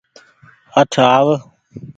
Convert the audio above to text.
اٺ آو